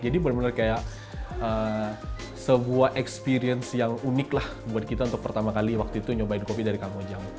jadi benar benar kayak sebuah experience yang unik lah buat kita untuk pertama kali waktu itu nyobain kopi dari kammojang